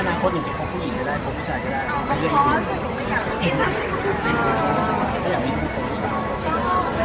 ไม่ต้องแม่ดูเรียกพี่พูดว่าเขาต้องเรียกพี่พูดว่า